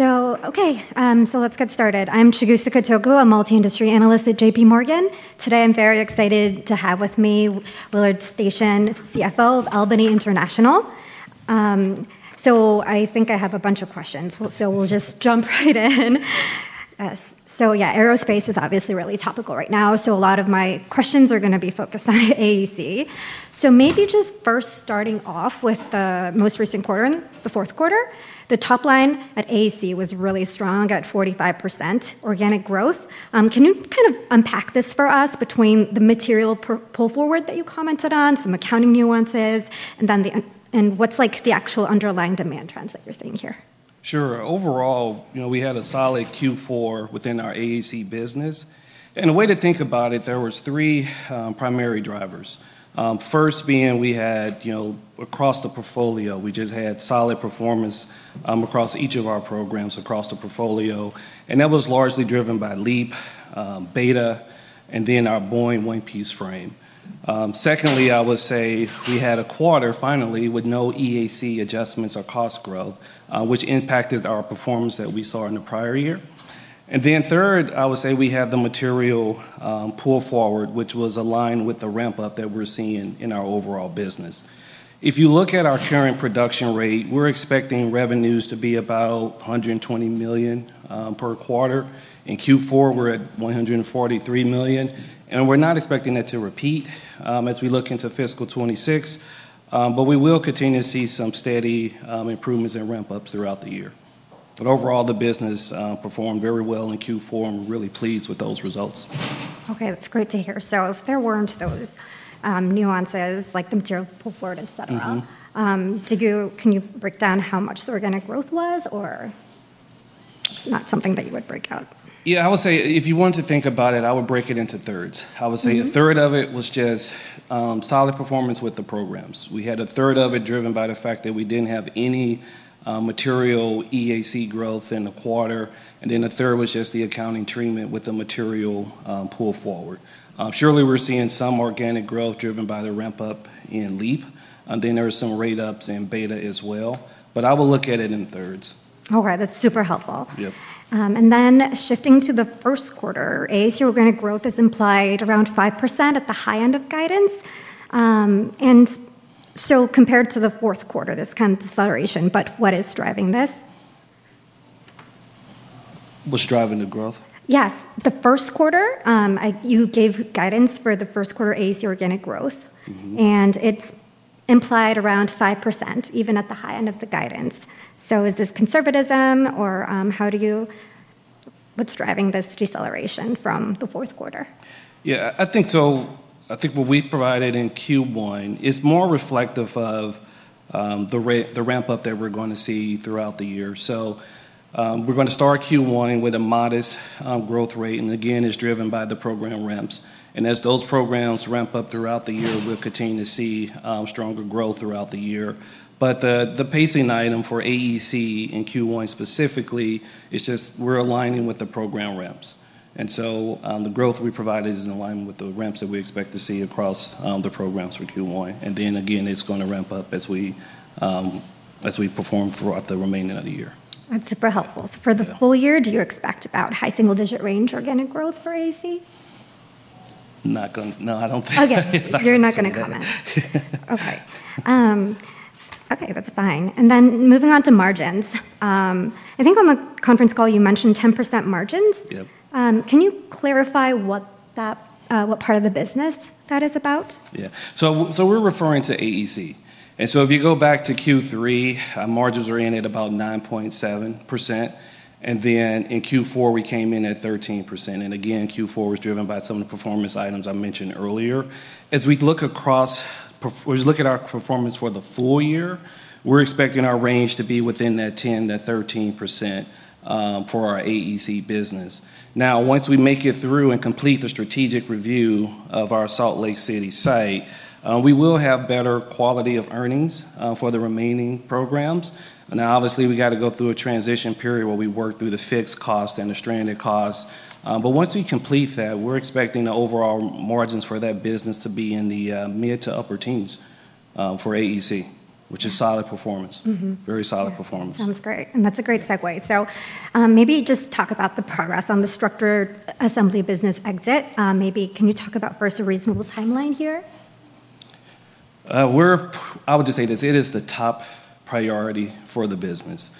Okay. Let's get started. I'm Chigusa Katoku, a multi-industry analyst at JPMorgan. Today, I'm very excited to have with me Willard Station, CFO of Albany International. I think I have a bunch of questions. We'll just jump right in. Yeah, Aerospace is obviously really topical right now, so a lot of my questions are gonna be focused on AEC. Maybe just first starting off with the most recent quarter, the fourth quarter, the top line at AEC was really strong at 45% organic growth. Can you kind of unpack this for us between the material pull forward that you commented on, some accounting nuances, and then what's like the actual underlying demand trends that you're seeing here? Sure. Overall, you know, we had a solid Q4 within our AEC business. A way to think about it, there was three primary drivers. First being we had, you know, across the portfolio, we just had solid performance across each of our programs across the portfolio, and that was largely driven by LEAP, BETA, and then our Boeing one-piece frame. Secondly, I would say we had a quarter finally with no EAC adjustments or cost growth, which impacted our performance that we saw in the prior year. Third, I would say we have the material pull forward, which was aligned with the ramp-up that we're seeing in our overall business. If you look at our current production rate, we're expecting revenues to be about $120 million per quarter. In Q4, we're at $143 million, and we're not expecting that to repeat, as we look into fiscal 2026, but we will continue to see some steady improvements and ramp-ups throughout the year. Overall, the business performed very well in Q4. I'm really pleased with those results. Okay. That's great to hear. If there weren't those nuances like the material pull forward, etc. Mm-hmm Can you break down how much the organic growth was or not something that you would break out? Yeah, I would say if you want to think about it, I would break it into thirds. Mm-hmm. I would say a third of it was just solid performance with the programs. We had a third of it driven by the fact that we didn't have any material EAC growth in the quarter, and then a third was just the accounting treatment with the material pull forward. Surely we're seeing some organic growth driven by the ramp-up in LEAP, and then there are some rate ups in BETA as well, but I would look at it in thirds. All right. That's super helpful. Yep. Shifting to the first quarter, AEC organic growth is implied around 5% at the high end of guidance. Compared to the fourth quarter, this kind of deceleration, but what is driving this? What's driving the growth? Yes. The first quarter, you gave guidance for the first quarter AEC organic growth. Mm-hmm. It's implied around 5% even at the high end of the guidance. Is this conservatism or what's driving this deceleration from the fourth quarter? Yeah. I think so. I think what we provided in Q1 is more reflective of the ramp-up that we're gonna see throughout the year. We're gonna start Q1 with a modest growth rate, and again, it's driven by the program ramps. As those programs ramp up throughout the year, we'll continue to see stronger growth throughout the year. The pacing item for AEC in Q1 specifically is just we're aligning with the program ramps. The growth we provided is in line with the ramps that we expect to see across the programs for Q1. Then again, it's gonna ramp up as we perform throughout the remainder of the year. That's super helpful. Yeah. For the full year, do you expect about high single-digit range organic growth for AEC? No, I don't think I would say that. Okay. You're not gonna comment. Okay. Okay, that's fine. Moving on to margins, I think on the conference call you mentioned 10% margins. Yep. Can you clarify what part of the business that is about? Yeah. We're referring to AEC. If you go back to Q3, margins are in at about 9.7%, and then in Q4, we came in at 13%. Again, Q4 was driven by some of the performance items I mentioned earlier. As we look at our performance for the full year, we're expecting our range to be within that 10%-13% for our AEC business. Now, once we make it through and complete the strategic review of our Salt Lake City site, we will have better quality of earnings for the remaining programs. Now, obviously, we gotta go through a transition period where we work through the fixed costs and the stranded costs. Once we complete that, we're expecting the overall margins for that business to be in the mid- to upper teens% for AEC, which is solid performance. Mm-hmm. Very solid performance. Sounds great. That's a great segway. Maybe just talk about the progress on the structured assembly business exit. Maybe can you talk about first a reasonable timeline here? I would just say this, it is the top priority for the business.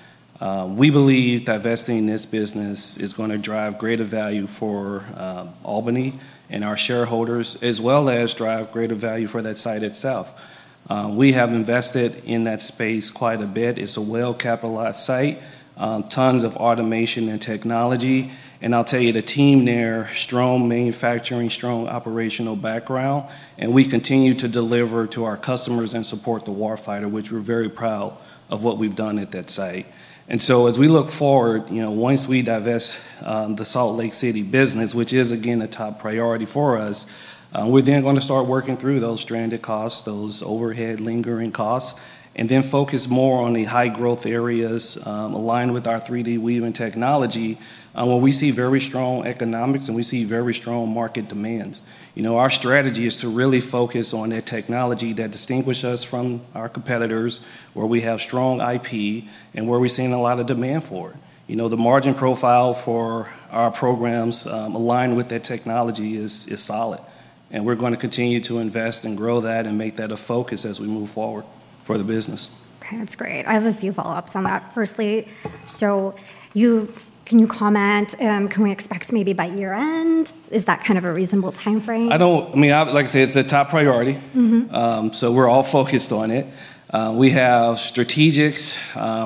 We believe divesting this business is gonna drive greater value for Albany and our shareholders, as well as drive greater value for that site itself. We have invested in that space quite a bit. It's a well-capitalized site, tons of automation and technology, and I'll tell you, the team there, strong manufacturing, strong operational background, and we continue to deliver to our customers and support the war fighter, which we're very proud of what we've done at that site. As we look forward, you know, once we divest the Salt Lake City business, which is again a top priority for us, we're then gonna start working through those stranded costs, those overhead lingering costs, and then focus more on the high growth areas, aligned with our 3D weaving technology, where we see very strong economics and we see very strong market demands. You know, our strategy is to really focus on that technology that distinguish us from our competitors, where we have strong IP, and where we're seeing a lot of demand for. You know, the margin profile for our programs, aligned with that technology is solid. We're going to continue to invest and grow that and make that a focus as we move forward for the business. Okay. That's great. I have a few follow-ups on that. Firstly, can we expect maybe by year-end? Is that kind of a reasonable timeframe? I mean, like I said, it's a top priority. Mm-hmm. We're all focused on it. We have strategics,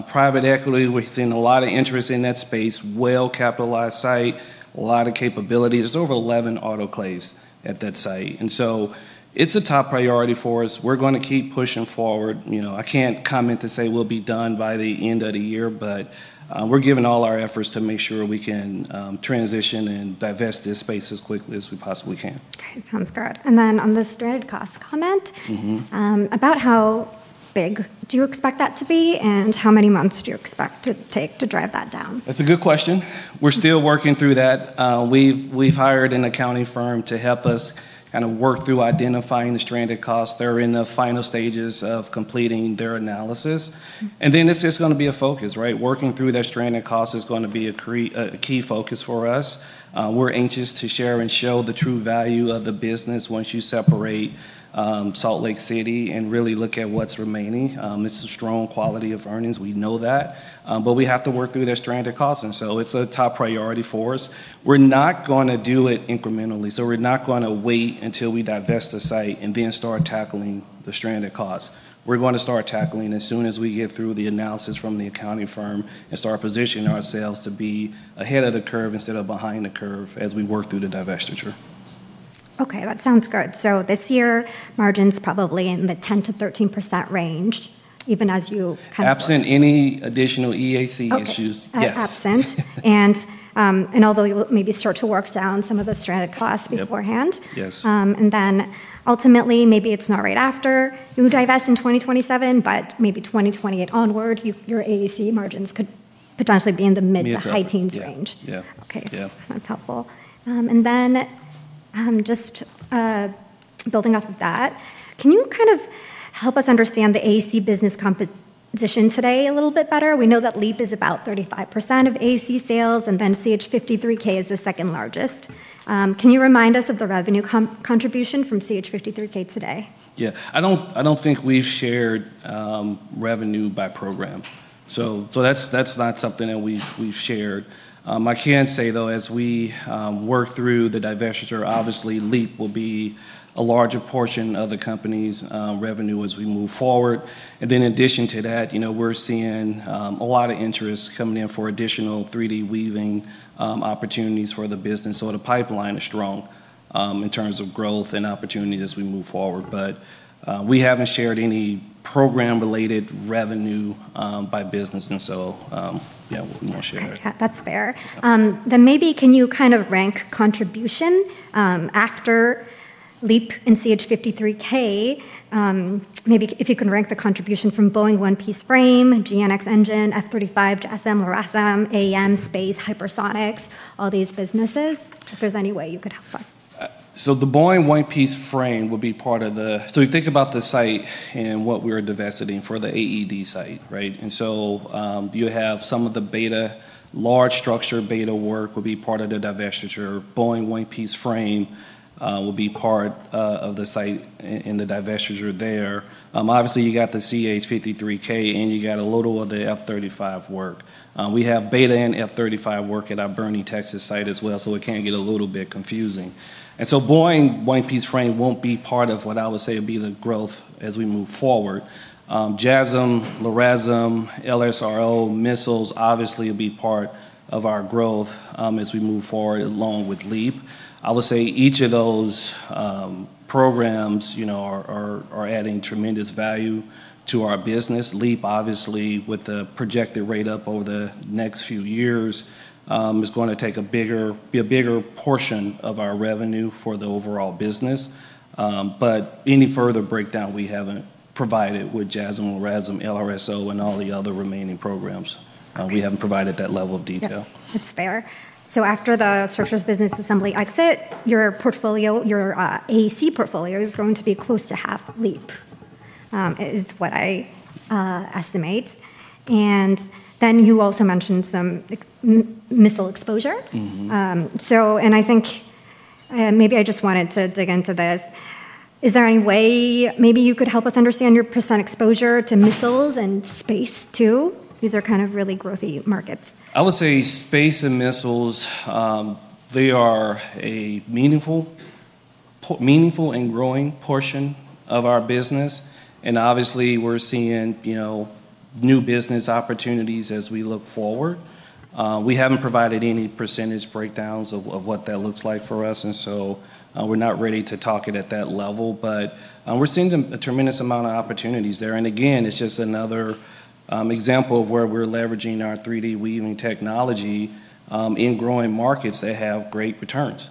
private equity. We've seen a lot of interest in that space, well-capitalized site, a lot of capabilities. There's over 11 autoclaves at that site. It's a top priority for us. We're gonna keep pushing forward. I can't comment to say we'll be done by the end of the year, but we're giving all our efforts to make sure we can transition and divest this space as quickly as we possibly can. Okay. Sounds good. On the stranded cost comment. Mm-hmm. About how big do you expect that to be, and how many months do you expect it take to drive that down? That's a good question. We're still working through that. We've hired an accounting firm to help us kinda work through identifying the stranded costs. They're in the final stages of completing their analysis. Mm-hmm. It's just gonna be a focus, right? Working through that stranded cost is gonna be a key focus for us. We're anxious to share and show the true value of the business once you separate Salt Lake City and really look at what's remaining. It's a strong quality of earnings, we know that. We have to work through their stranded costs, and so it's a top priority for us. We're not gonna do it incrementally, so we're not gonna wait until we divest the site and then start tackling the stranded costs. We're gonna start tackling as soon as we get through the analysis from the accounting firm and start positioning ourselves to be ahead of the curve instead of behind the curve as we work through the divestiture. Okay, that sounds good. This year, margin's probably in the 10%-13% range, even as you kind of- Absent any additional EAC issues. Okay. Yes. Absence. Although you'll maybe start to work down some of the stranded costs beforehand. Yep. Yes. Ultimately, maybe it's not right after you divest in 2027, but maybe 2028 onward, you, your AEC margins could potentially be in the mid- Mid- to high-teens range. Yeah, yeah. Okay. Yeah. That's helpful. Building off of that, can you kind of help us understand the AEC business competition today a little bit better? We know that LEAP is about 35% of AEC sales, and then CH-53K is the second largest. Can you remind us of the revenue contribution from CH-53K today? Yeah. I don't think we've shared revenue by program. That's not something that we've shared. I can say, though, as we work through the divestiture, obviously LEAP will be a larger portion of the company's revenue as we move forward. Then in addition to that, you know, we're seeing a lot of interest coming in for additional 3D weaving opportunities for the business. The pipeline is strong in terms of growth and opportunity as we move forward. We haven't shared any program-related revenue by business and so yeah, we'll not share that. Okay. That's fair. Maybe can you kind of rank contribution, after LEAP and CH-53K, maybe if you can rank the contribution from Boeing one-piece frame, GE9X Engine, F-35 JASSM or LRASM, AM, Space, Hypersonics, all these businesses, if there's any way you could help us? The Boeing one-piece frame would be part of the site and what we're divesting for the AED site, right? You have some of the beta, large structure beta work would be part of the divestiture. Boeing one-piece frame will be part of the site in the divestiture there. Obviously, you got the CH-53K, and you got a little of the F-35 work. We have beta and F-35 work at our Boerne, Texas site as well, so it can get a little bit confusing. Boeing one-piece frame won't be part of what I would say would be the growth as we move forward. JASSM, LRASM, LRSO missiles obviously will be part of our growth as we move forward, along with LEAP. I would say each of those programs, you know, are adding tremendous value to our business. LEAP, obviously, with the projected rate up over the next few years, is gonna be a bigger portion of our revenue for the overall business. Any further breakdown, we haven't provided with JASSM, LRASM, LRSO, and all the other remaining programs. We haven't provided that level of detail. Yeah. That's fair. After the structures business assembly exit, your portfolio, your AEC portfolio is going to be close to half LEAP, is what I estimate. Then you also mentioned some missile exposure. Mm-hmm. I think, maybe I just wanted to dig into this. Is there any way maybe you could help us understand your percent exposure to missiles and space too? These are kind of really growthy markets. I would say space and missiles, they are a meaningful and growing portion of our business, and obviously we're seeing, you know, new business opportunities as we look forward. We haven't provided any percentage breakdowns of what that looks like for us and so, we're not ready to talk it at that level. We're seeing a tremendous amount of opportunities there. Again, it's just another example of where we're leveraging our 3D weaving technology in growing markets that have great returns.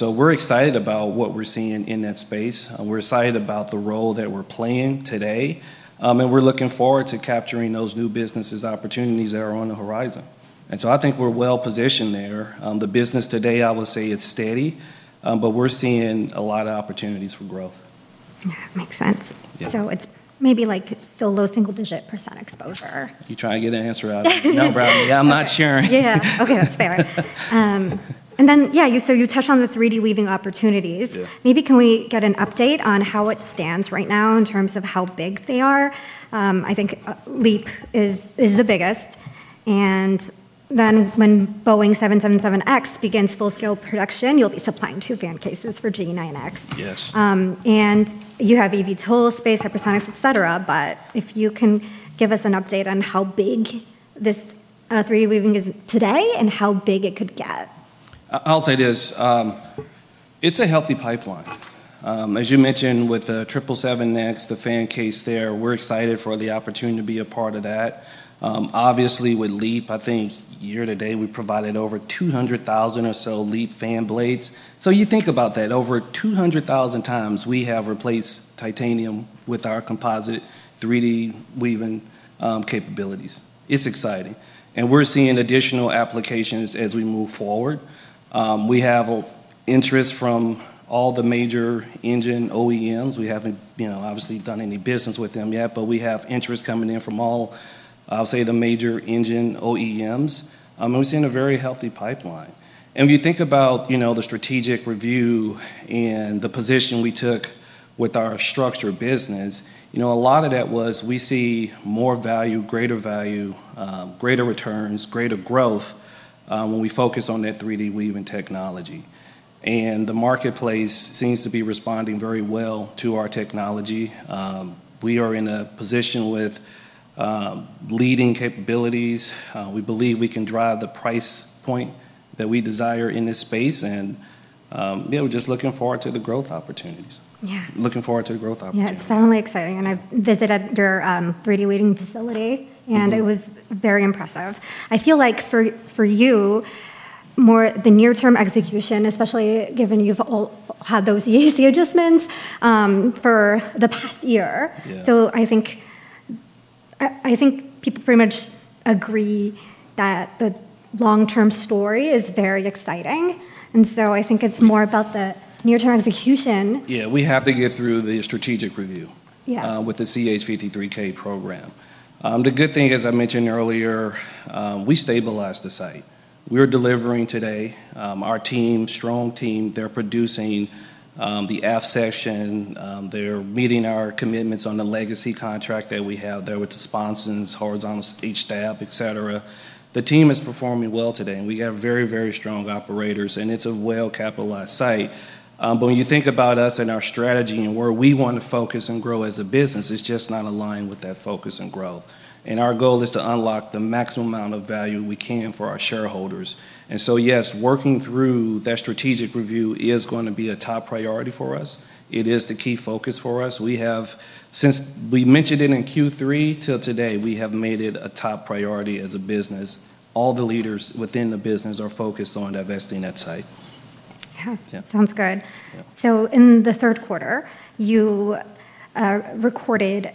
We're excited about what we're seeing in that space, and we're excited about the role that we're playing today, and we're looking forward to capturing those new businesses opportunities that are on the horizon. I think we're well-positioned there. The business today, I would say it's steady, but we're seeing a lot of opportunities for growth. Makes sense. Yeah. It's maybe like still low single digit percent exposure. You try and get an answer out of me. No problem. Yeah, I'm not sharing. Yeah. Okay, that's fair. Yeah, so you touched on the 3D weaving opportunities. Yeah. Maybe can we get an update on how it stands right now in terms of how big they are? I think LEAP is the biggest, and then when Boeing 777X begins full-scale production, you'll be supplying two fan cases for GE9X. Yes. You have EVTOL space, hypersonics, etc., but if you can give us an update on how big this 3D weaving is today and how big it could get. I'll say this, it's a healthy pipeline. As you mentioned with the 777X, the fan case there, we're excited for the opportunity to be a part of that. Obviously with LEAP, I think year to date we've provided over 200,000 or so LEAP fan blades. So you think about that. Over 200,000x we have replaced titanium with our composite 3D weaving capabilities. It's exciting, and we're seeing additional applications as we move forward. We have an interest from all the major engine OEMs. We haven't, you know, obviously done any business with them yet, but we have interest coming in from all, I'll say, the major engine OEMs. We're seeing a very healthy pipeline. If you think about, you know, the strategic review and the position we took with our structure business, you know, a lot of that was we see more value, greater value, greater returns, greater growth, when we focus on that 3D weaving technology. The marketplace seems to be responding very well to our technology. We are in a position with leading capabilities. We believe we can drive the price point that we desire in this space and, yeah, we're just looking forward to the growth opportunities. Yeah. Looking forward to the growth opportunities. Yeah, it's definitely exciting, and I've visited your 3D weaving facility. Mm-hmm It was very impressive. I feel like for you, more the near-term execution, especially given you've already had those AEC adjustments, for the past year. Yeah. I think people pretty much agree that the long-term story is very exciting, and so I think it's more about the near-term execution. Yeah, we have to get through the strategic review. Yeah With the CH-53K program. The good thing, as I mentioned earlier, we stabilized the site. We're delivering today. Our team, strong team, they're producing the Aft section. They're meeting our commitments on the legacy contract that we have there with the sponsons, horizontal H-stab, etc. The team is performing well today, and we have very, very strong operators, and it's a well-capitalized site. But when you think about us and our strategy and where we want to focus and grow as a business, it's just not aligned with that focus and growth. Our goal is to unlock the maximum amount of value we can for our shareholders. Yes, working through that strategic review is going to be a top priority for us. It is the key focus for us. Since we mentioned it in Q3 till today, we have made it a top priority as a business. All the leaders within the business are focused on divesting that site. Yeah. Yeah. Sounds good. Yeah. In the third quarter, you recorded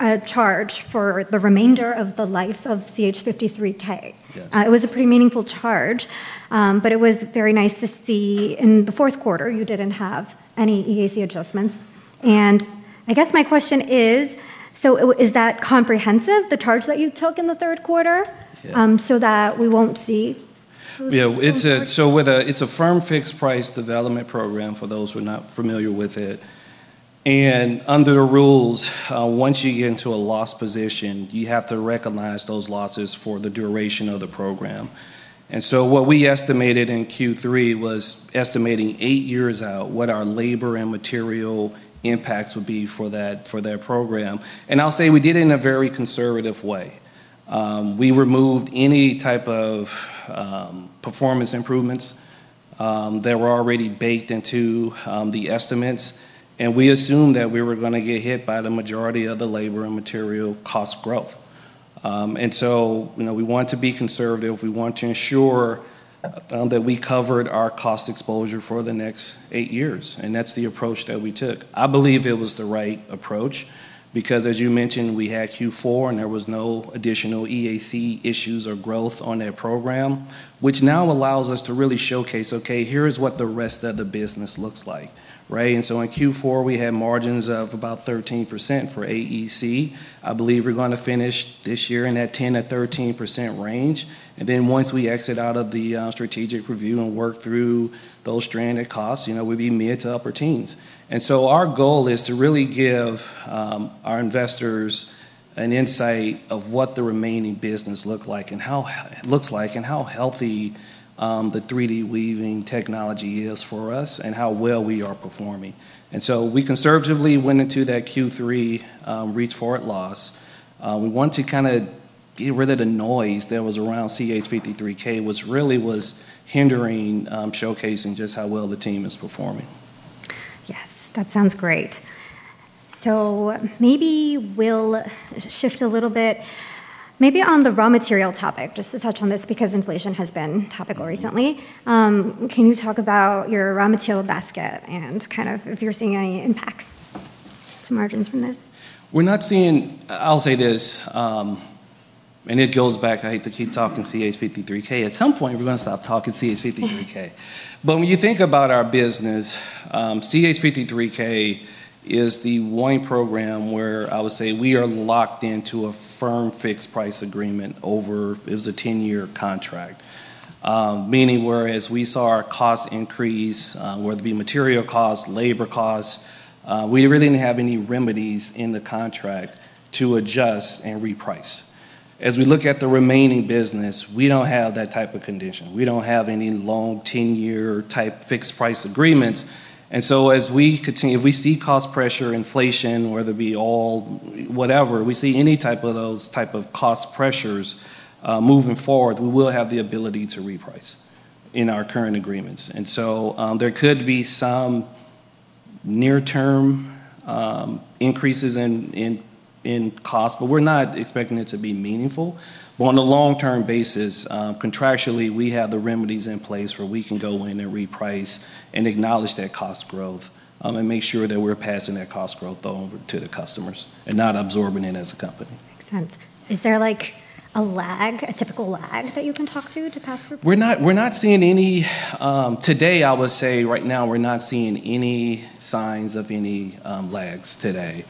a charge for the remainder of the life of CH-53K. Yes. It was a pretty meaningful charge, but it was very nice to see in the fourth quarter you didn't have any EAC adjustments. I guess my question is that comprehensive, the charge that you took in the third quarter? Yeah. that we won't see those. It's a firm-fixed-price development program for those who are not familiar with it. Under the rules, once you get into a loss position, you have to recognize those losses for the duration of the program. What we estimated in Q3 was estimating eight years out what our labor and material impacts would be for that program. I'll say we did it in a very conservative way. We removed any type of performance improvements that were already baked into the estimates. We assumed that we were gonna get hit by the majority of the labor and material cost growth. You know, we want to be conservative. We want to ensure that we covered our cost exposure for the next eight years, and that's the approach that we took. I believe it was the right approach because as you mentioned, we had Q4, and there was no additional EAC issues or growth on that program, which now allows us to really showcase, okay, here is what the rest of the business looks like, right? In Q4, we had margins of about 13% for AEC. I believe we're gonna finish this year in that 10%-13% range. Then once we exit out of the strategic review and work through those stranded costs, you know, we'd be mid to upper-teens. Our goal is to really give our investors an insight of what the remaining business look like and how healthy the 3D weaving technology is for us and how well we are performing. We conservatively went into that Q3 record forward loss. We want to kinda get rid of the noise that was around CH-53K, which really was hindering showcasing just how well the team is performing. Yes. That sounds great. Maybe we'll shift a little bit maybe on the raw material topic, just to touch on this because inflation has been topical recently. Can you talk about your raw material basket and kind of if you're seeing any impacts to margins from this? I'll say this. It goes back, I hate to keep talking CH-53K. At some point we're gonna stop talking CH-53K. When you think about our business, CH-53K is the one program where I would say we are locked into a firm-fixed-price agreement over, it was a 10-year contract. Meaning whereas we saw our cost increase, whether it be material cost, labor cost, we really didn't have any remedies in the contract to adjust and reprice. As we look at the remaining business, we don't have that type of condition. We don't have any long 10-year type fixed price agreements. As we continue, if we see cost pressure, inflation, whether it be oil, whatever, we see any type of those type of cost pressures, moving forward, we will have the ability to reprice in our current agreements. There could be some near term increases in cost, but we're not expecting it to be meaningful. On a long-term basis, contractually we have the remedies in place where we can go in and reprice and acknowledge that cost growth, and make sure that we're passing that cost growth over to the customers and not absorbing it as a company. Makes sense. Is there like a lag, a typical lag that you can talk to pass through pricing? Today, I would say right now we're not seeing any signs of any lags today.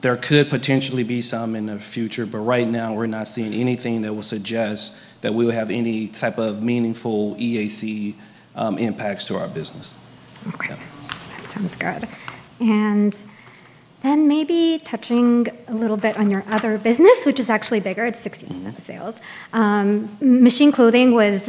There could potentially be some in the future, but right now we're not seeing anything that will suggest that we'll have any type of meaningful EAC impacts to our business. Okay. Yeah. That sounds good. Maybe touching a little bit on your other business, which is actually bigger, it's 60%- Mm-hmm of sales. Machine Clothing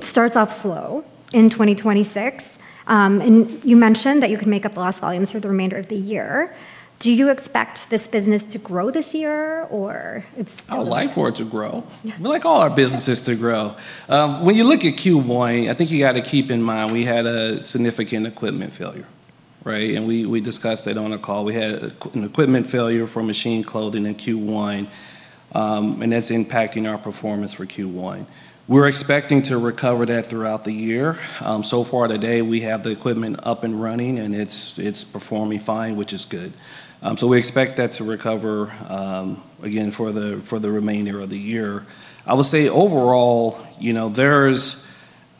starts off slow in 2026. You mentioned that you could make up the lost volumes for the remainder of the year. Do you expect this business to grow this year, or it's kind of? I would like for it to grow. Yeah. We'd like all our businesses to grow. When you look at Q1, I think you got to keep in mind we had a significant equipment failure, right? We discussed that on a call. We had an equipment failure for Machine Clothing in Q1, and that's impacting our performance for Q1. We're expecting to recover that throughout the year. So far today we have the equipment up and running, and it's performing fine, which is good. So we expect that to recover, again, for the remainder of the year. I will say overall, you know, there's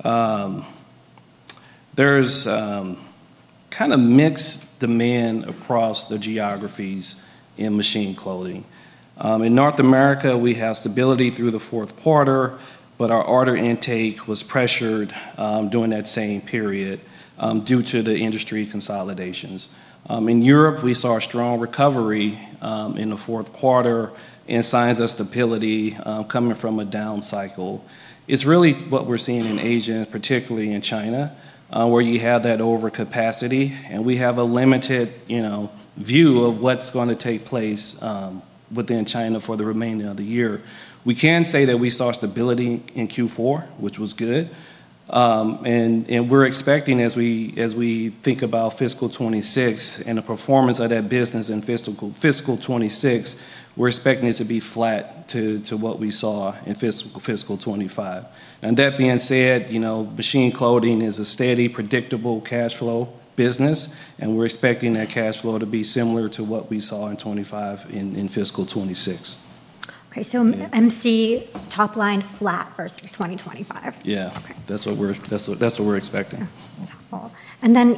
kind of mixed demand across the geographies in Machine Clothing. In North America we have stability through the fourth quarter, but our order intake was pressured during that same period due to the industry consolidations. In Europe we saw a strong recovery in the fourth quarter and signs of stability coming from a down cycle. It's really what we're seeing in Asia and particularly in China, where you have that overcapacity, and we have a limited, you know, view of what's gonna take place within China for the remainder of the year. We can say that we saw stability in Q4, which was good. We're expecting as we think about fiscal 2026 and the performance of that business in fiscal 2026, we're expecting it to be flat to what we saw in fiscal 2025. That being said, you know, Machine Clothing is a steady, predictable cash flow business, and we're expecting that cash flow to be similar to what we saw in 2025 in fiscal 2026. Okay. Yeah MC top line flat versus 2025. Yeah. Okay. That's what we're expecting. Okay. That's helpful.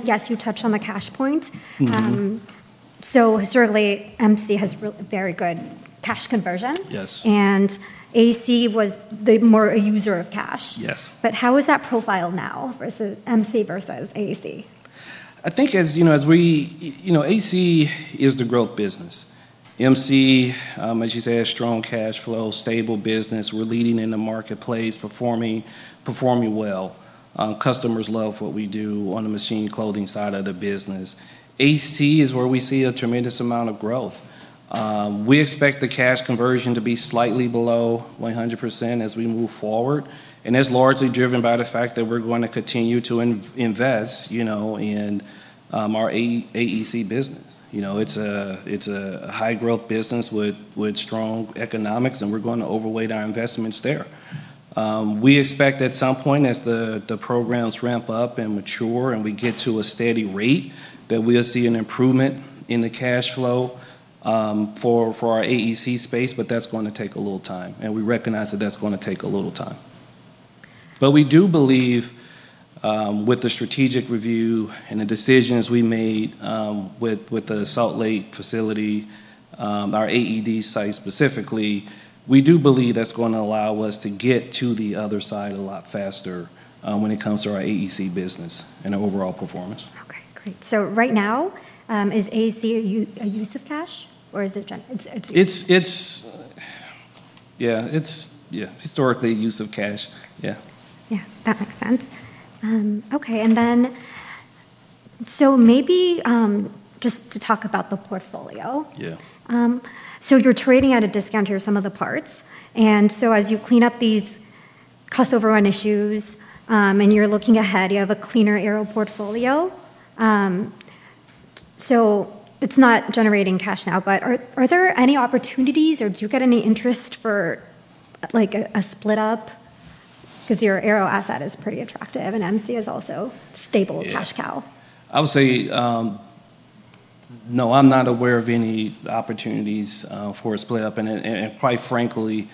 Yes, you touched on the cash point. Mm-hmm. Historically MC has really very good cash conversion. Yes. AEC was they've more a user of cash. Yes. How is that profile now versus MC versus AEC? I think as you know, you know, AEC is the growth business. MC, as you say, a strong cash flow, stable business. We're leading in the marketplace, performing well. Customers love what we do on the Machine Clothing side of the business. AEC is where we see a tremendous amount of growth. We expect the cash conversion to be slightly below 100% as we move forward, and that's largely driven by the fact that we're going to continue to invest, you know, in our AEC business. You know, it's a high growth business with strong economics, and we're gonna overweight our investments there. We expect at some point as the programs ramp up and mature and we get to a steady rate, that we'll see an improvement in the cash flow for our AEC space, but that's gonna take a little time, and we recognize that that's gonna take a little time. We do believe with the strategic review and the decisions we made with the Salt Lake facility, our AEC site specifically, we do believe that's gonna allow us to get to the other side a lot faster when it comes to our AEC business and overall performance. Right now, is AEC a use of cash, or is it gen- It's historically a use of cash. Yeah. Yeah. That makes sense. Okay. Maybe just to talk about the portfolio. Yeah. You're trading at a discount to some of the parts. As you clean up these cost overrun issues, and you're looking ahead, you have a cleaner aero portfolio. It's not generating cash now, but are there any opportunities or do you get any interest for like a split up? Because your aero asset is pretty attractive, and MC is also stable cash cow. Yeah. I would say, no, I'm not aware of any opportunities for a split-up. Quite frankly,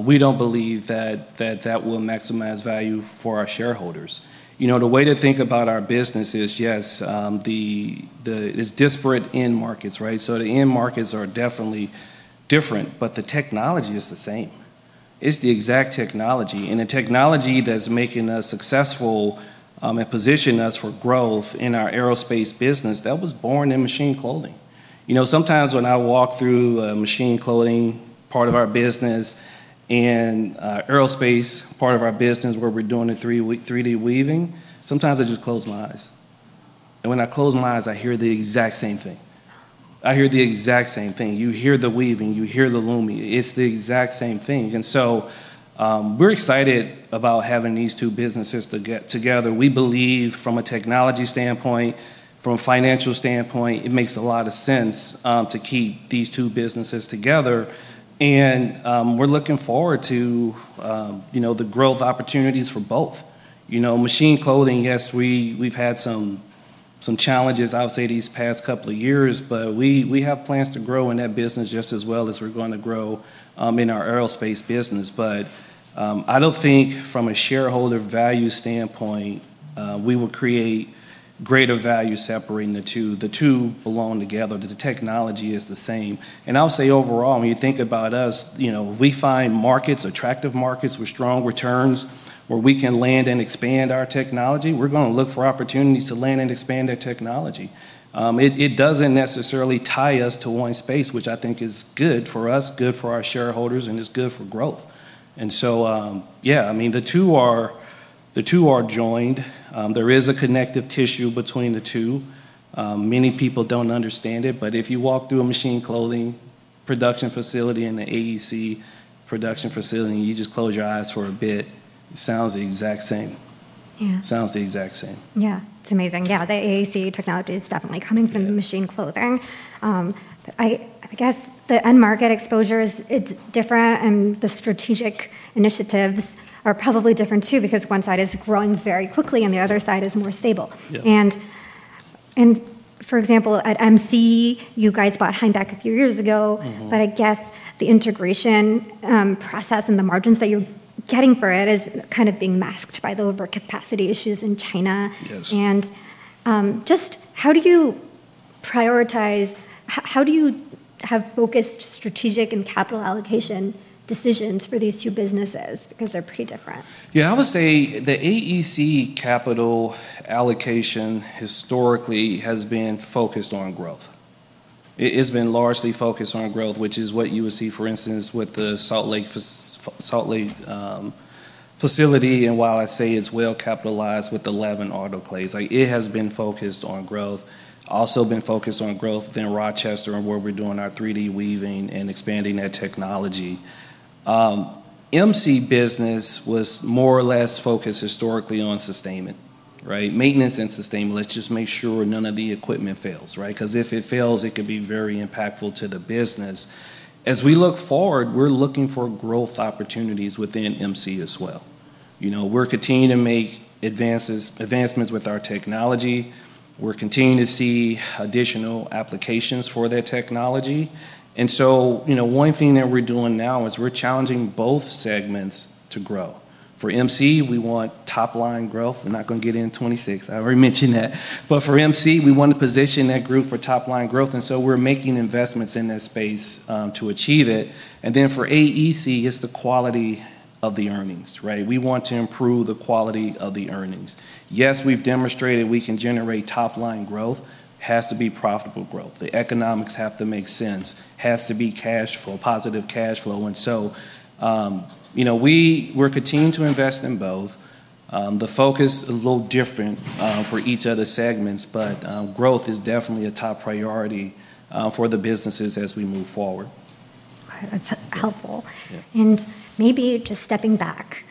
we don't believe that will maximize value for our shareholders. You know, the way to think about our business is, yes, it's disparate end markets, right? The end markets are definitely different, but the technology is the same. It's the exact technology. The technology that's making us successful and positioning us for growth in our aerospace business was born in Machine Clothing. You know, sometimes when I walk through a Machine Clothing part of our business and aerospace part of our business where we're doing 3D weaving, sometimes I just close my eyes. When I close my eyes, I hear the exact same thing. I hear the exact same thing. You hear the weaving. You hear the loom. It's the exact same thing. We're excited about having these two businesses together. We believe from a technology standpoint, from a financial standpoint, it makes a lot of sense to keep these two businesses together. We're looking forward to, you know, the growth opportunities for both. You know, Machine Clothing, yes, we've had some challenges, I would say, these past couple of years. We have plans to grow in that business just as well as we're gonna grow in our aerospace business. I don't think from a shareholder value standpoint, we would create greater value separating the two. The two belong together. The technology is the same. I'll say overall, when you think about us, you know, we find markets, attractive markets with strong returns where we can land and expand our technology, we're gonna look for opportunities to land and expand that technology. It doesn't necessarily tie us to one space, which I think is good for us, good for our shareholders, and it's good for growth. Yeah, I mean, the two are joined. There is a connective tissue between the two. Many people don't understand it, but if you walk through a Machine Clothing production facility and the AEC production facility and you just close your eyes for a bit, it sounds the exact same. Yeah. Sounds the exact same. Yeah. It's amazing. Yeah, the AEC technology is definitely coming from. Yeah Machine Clothing. I guess the end market exposure is. It's different, and the strategic initiatives are probably different too because one side is growing very quickly, and the other side is more stable. Yeah. For example, at MC, you guys bought Heimbach a few years ago. Mm-hmm. I guess the integration process and the margins that you're getting for it is kind of being masked by the overcapacity issues in China. Yes. How do you have focused strategic and capital allocation decisions for these two businesses? Because they're pretty different. Yeah, I would say the AEC capital allocation historically has been focused on growth. It's been largely focused on growth, which is what you would see, for instance, with the Salt Lake facility. While I'd say it's well capitalized with 11 autoclaves, like, it has been focused on growth. Also been focused on growth within Rochester and where we're doing our 3D weaving and expanding that technology. MC business was more or less focused historically on sustainment, right? Maintenance and sustainment. Let's just make sure none of the equipment fails, right? 'Cause if it fails, it could be very impactful to the business. As we look forward, we're looking for growth opportunities within MC as well. You know, we're continuing to make advancements with our technology. We're continuing to see additional applications for that technology. You know, one thing that we're doing now is we're challenging both segments to grow. For MC, we want top-line growth. We're not gonna get into 2026. I already mentioned that. For MC, we want to position that group for top-line growth, and so we're making investments in that space to achieve it. For AEC, it's the quality of the earnings, right? We want to improve the quality of the earnings. Yes, we've demonstrated we can generate top-line growth. It has to be profitable growth. The economics have to make sense, has to be cash flow, positive cash flow. We're continuing to invest in both. The focus is a little different for each of the segments, but growth is definitely a top priority for the businesses as we move forward. Okay. That's helpful. Yeah. Maybe just stepping back.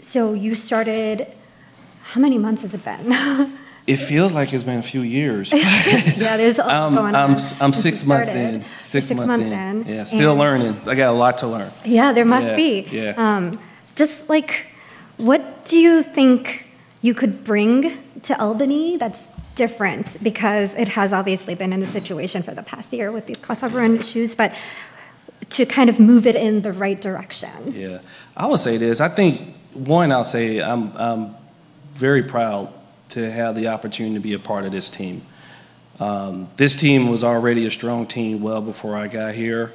How many months has it been? It feels like it's been a few years. Yeah, there's a lot going on. I'm six months in. Since you started. Six months in. You're six months in. Yeah. And- Still learning. I got a lot to learn. Yeah, there must be. Yeah. Yeah. Just, like, what do you think you could bring to Albany that's different? Because it has obviously been in this situation for the past year with these crossover issues. To kind of move it in the right direction. Yeah. I would say this. I think, one, I'll say I'm very proud to have the opportunity to be a part of this team. This team was already a strong team well before I got here.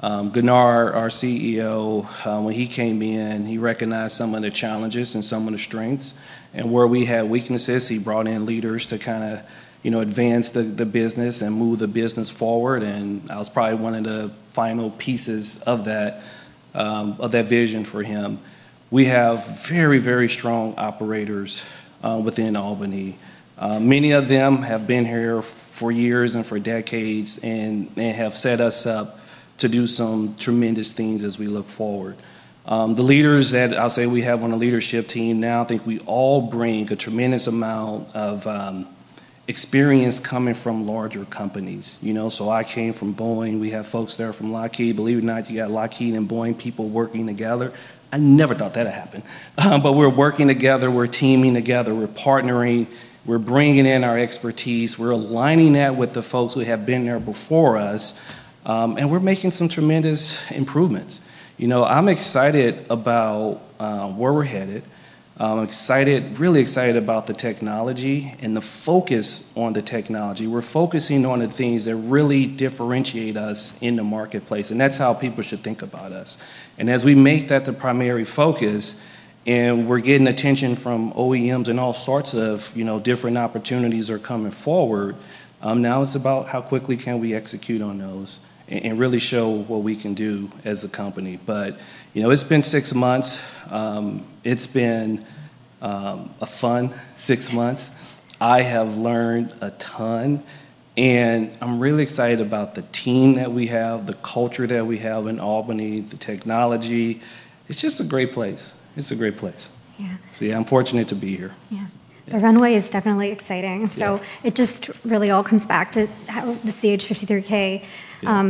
Gunnar our CEO, when he came in, he recognized some of the challenges and some of the strengths. Where we had weaknesses, he brought in leaders to kinda, you know, advance the business and move the business forward, and I was probably one of the final pieces of that vision for him. We have very, very strong operators within Albany. Many of them have been here for years and for decades, and they have set us up to do some tremendous things as we look forward. The leaders that I'll say we have on the leadership team now, I think we all bring a tremendous amount of experience coming from larger companies, you know? I came from Boeing. We have folks there from Lockheed. Believe it or not, you got Lockheed and Boeing people working together. I never thought that'd happen. We're working together, we're teaming together, we're partnering, we're bringing in our expertise, we're aligning that with the folks who have been there before us, and we're making some tremendous improvements. You know, I'm excited about where we're headed. I'm excited, really excited about the technology and the focus on the technology. We're focusing on the things that really differentiate us in the marketplace, and that's how people should think about us. As we make that the primary focus, and we're getting attention from OEMs and all sorts of, you know, different opportunities are coming forward, now it's about how quickly can we execute on those and really show what we can do as a company. You know, it's been six months. It's been a fun six months. I have learned a ton, and I'm really excited about the team that we have, the culture that we have in Albany, the technology. It's just a great place. It's a great place. Yeah. Yeah, I'm fortunate to be here. Yeah. Yeah. The runway is definitely exciting. Yeah. It just really all comes back to how the CH-53K. Yeah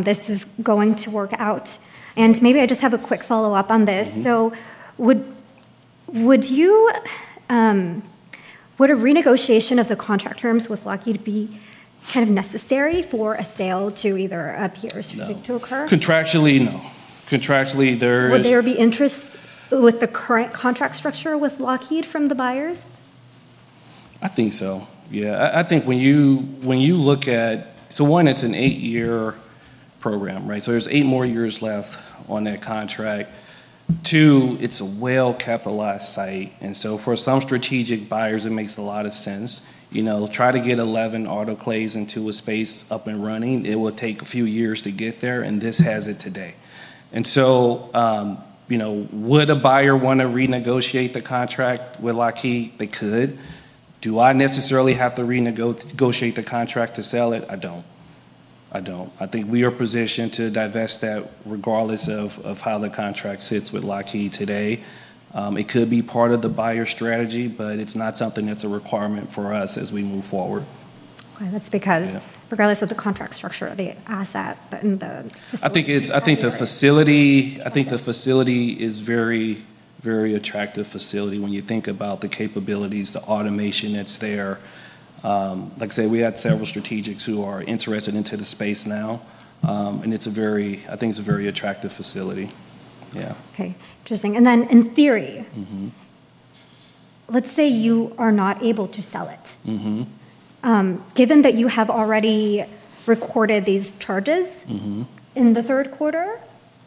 this is going to work out. Maybe I just have a quick follow-up on this. Mm-hmm. Would a renegotiation of the contract terms with Lockheed be necessary for a sale to either appear- No Strategic to occur? Contractually, no. Contractually there is Would there be interest with the current contract structure with Lockheed from the buyers? I think so. Yeah. I think when you look at one, it's an eight-year program, right? There's eight more years left on that contract. Two, it's a well-capitalized site, and so for some strategic buyers it makes a lot of sense. You know, try to get 11 autoclaves into a space up and running. It would take a few years to get there, and this has it today. You know, would a buyer wanna renegotiate the contract with Lockheed? They could. Do I necessarily have to renegotiate the contract to sell it? I don't. I think we are positioned to divest that regardless of how the contract sits with Lockheed today. It could be part of the buyer's strategy, but it's not something that's a requirement for us as we move forward. Okay. That's because. Yeah Regardless of the contract structure of the asset, the, and the I think the facility.... I think the facility is very, very attractive facility when you think about the capabilities, the automation that's there. Like I say, we had several strategics who are interested in the space now, and it's a very, I think it's a very attractive facility. Yeah. Okay. Interesting. In theory. Mm-hmm Let's say you are not able to sell it. Mm-hmm. Given that you have already recorded these charges. Mm-hmm In the third quarter,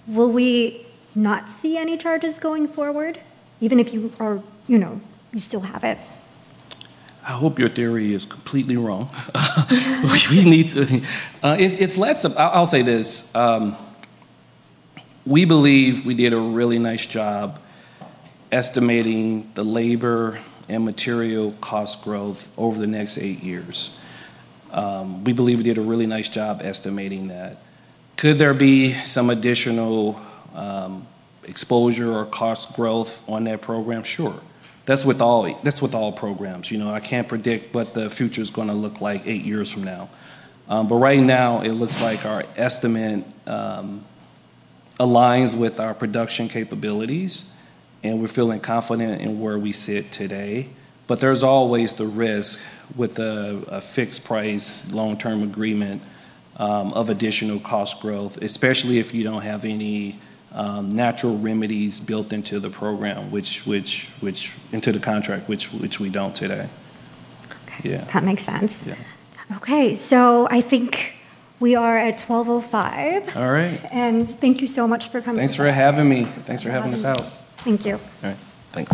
will we not see any charges going forward, even if you are, you know, you still have it? I hope your theory is completely wrong. I'll say this. We believe we did a really nice job estimating the labor and material cost growth over the next eight years. We believe we did a really nice job estimating that. Could there be some additional exposure or cost growth on that program? Sure. That's with all programs, you know? I can't predict what the future's gonna look like eight years from now. Right now it looks like our estimate aligns with our production capabilities, and we're feeling confident in where we sit today. There's always the risk with a fixed price, long-term agreement of additional cost growth, especially if you don't have any natural remedies built into the program, into the contract, which we don't today. Okay. Yeah. That makes sense. Yeah. Okay. I think we are at 12:05. All right. Thank you so much for coming. Thanks for having me. Thanks. Thanks for having us out. Thank you. All right. Thanks.